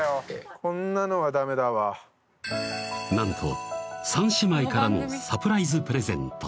こんなのはダメだわなんと三姉妹からのサプライズプレゼント